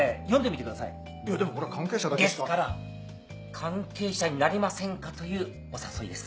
関係者になりませんかというお誘いです。